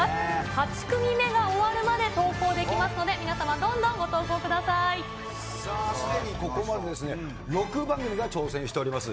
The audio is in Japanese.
８組目が終わるまで投稿できますので、皆様、どんどんご投稿くださあ、すでに、ここまで６番組が挑戦しております。